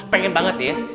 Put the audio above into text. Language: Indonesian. pengen banget ya